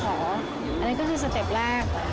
อันนี้ก็คือสเต็ปแรก